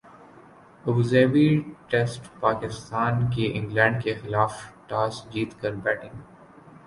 Abu Dhabi ٹیسٹپاکستان کی England کیخلاف toss جیت کر بیٹنگ